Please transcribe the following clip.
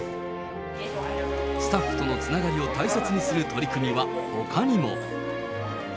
スタッフとのつながりを大切にする取り組みはほかにも。